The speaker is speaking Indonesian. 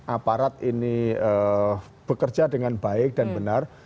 aparat ini bekerja dengan baik dan benar